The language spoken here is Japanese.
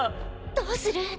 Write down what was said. どうする？